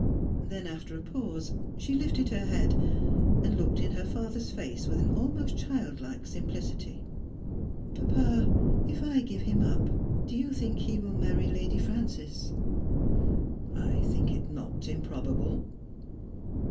Then, after a pause, she lifted her head, and looked in her father's face with an almost childlike simplicity. ' Papa, if I give him up, do you think he will marry Lady Frances 'I '' I think it is not improbable.'